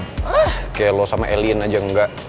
ah kayak lo sama elien aja enggak